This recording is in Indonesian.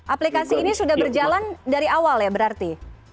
aplikasi ini sudah berjalan dari awal ya berarti